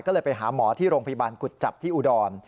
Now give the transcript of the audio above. ก็เลยไปหาหมอที่โรงพยาบาลกุจจับที่อุดร